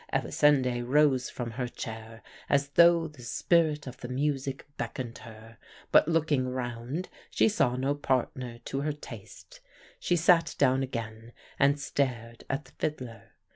"Elisinde rose from her chair as though the spirit of the music beckoned her, but looking round she saw no partner to her taste. She sat down again and stared at the fiddler.